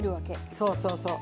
そうそうそう。